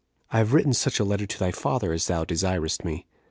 I have written such a letter to thy father as thou desiredst me.